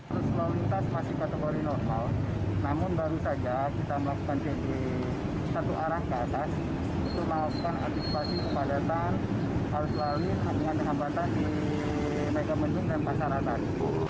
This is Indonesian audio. arus lalu lintas masih kategori normal namun baru saja kita melakukan cek di satu arah ke atas untuk melakukan aktifasi pemadatan arus lalu lintas di megamendung dan pasaratar